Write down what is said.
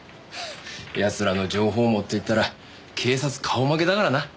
奴らの情報網といったら警察顔負けだからな。